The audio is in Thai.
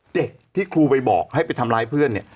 เด็กที่ครูไปบอกให้ไปทำร้ายเพื่อนเนี่ย